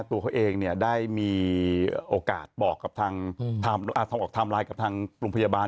ตัวเขาเองได้มีโอกาสบอกกับทางออกไทม์ไลน์กับทางโรงพยาบาล